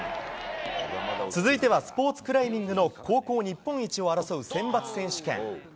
続いてはスポーツクライミングの高校日本一を争う選抜選手権。